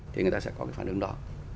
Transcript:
thì người ta sẽ có cái phản ứng đó